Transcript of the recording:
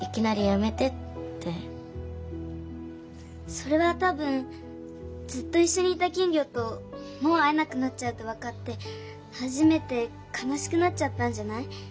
それはたぶんずっといっしょにいた金魚ともう会えなくなっちゃうってわかってはじめてかなしくなっちゃったんじゃない？